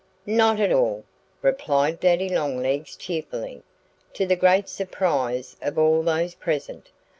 "Not at all!" replied Daddy Longlegs cheerfully, to the great surprise of all those present.